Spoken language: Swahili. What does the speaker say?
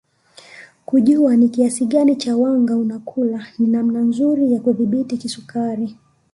Kujua ni kiasi gani cha wanga unakula ni namna nzuri ya kudhibiti kisukari